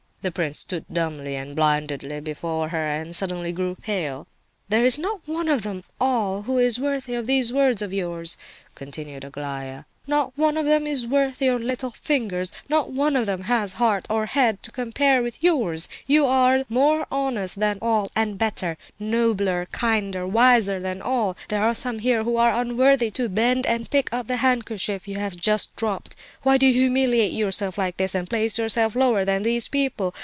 The prince stood dumbly and blindly before her, and suddenly grew pale. "There is not one of them all who is worthy of these words of yours," continued Aglaya. "Not one of them is worth your little finger, not one of them has heart or head to compare with yours! You are more honest than all, and better, nobler, kinder, wiser than all. There are some here who are unworthy to bend and pick up the handkerchief you have just dropped. Why do you humiliate yourself like this, and place yourself lower than these people?